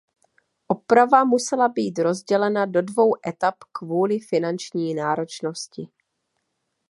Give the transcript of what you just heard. Oprava musela být rozdělena do dvou etap kvůli finanční náročnosti.